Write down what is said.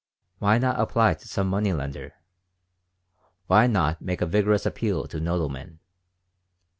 Why not apply to some money lender? Why not make a vigorous appeal to Nodelman?